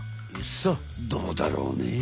さあどうだろうね？